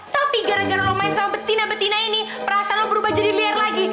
tapi gara gara lo main sama betina betina ini perasaan berubah jadi liar lagi